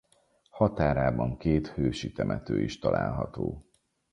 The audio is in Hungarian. Határában két hősi temető is található.